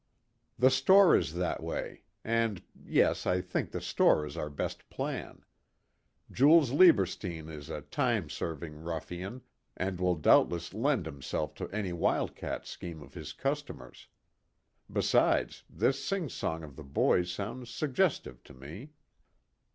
"The store is that way. And yes, I think the store is our best plan. Jules Lieberstein is a time serving ruffian, and will doubtless lend himself to any wildcat scheme of his customers. Besides, this singsong of the boys sounds suggestive to me."